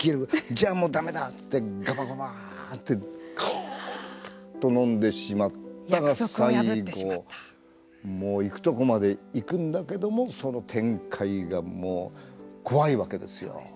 じゃあ、もうだめだといってがばがばってのんでしまったが最後もう行くところまで行くんだけれどもその展開がもう怖いわけですよ。